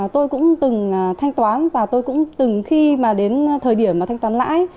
tôi cũng từng thanh toán và tôi cũng từng khi mà đến thời điểm mà thanh toán lãi